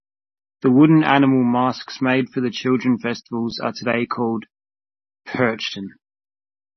The wooden animal masks made for the festivals are today called "Perchten".